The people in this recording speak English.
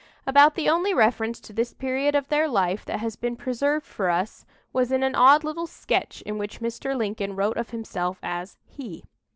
About the only reference to this period of their life that has been preserved for us was in an odd little sketch in which Mr. Lincoln wrote of himself as "he."